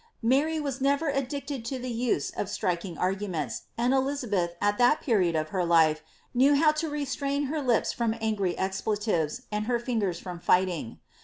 Mary was never addicted to the use of striking arguments ; and Eliza beth, at that period of her life, knew how to restrain her lips from angry expletives, and her lingers from fighting.